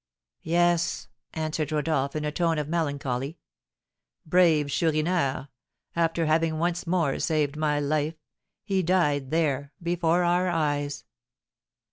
"Yes," answered Rodolph; in a tone of melancholy. "Brave Chourineur! after having once more saved my life he died there, before our eyes."